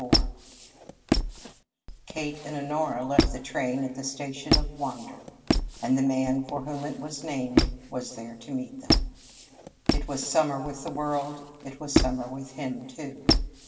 XXXIV Kate and Honora left the train at the station of Wander, and the man for whom it was named was there to meet them. If it was summer with the world, it was summer with him, too.